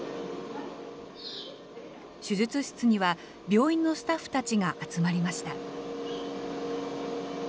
手術室には病院のスタッフたちが集まりました。